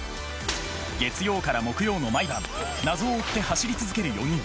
月曜から木曜の毎晩謎を追って走り続ける４人。